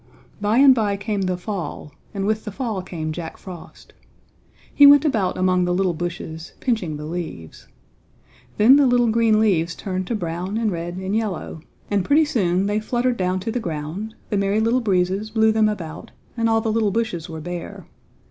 By and by came the fall, and with the fall came Jack Frost. He went about among the little bushes, pinching the leaves. Then the little green leaves turned to brown and red and yellow and pretty soon they fluttered down to the ground, the Merry Little Breezes blew them about and all the little bushes were bare.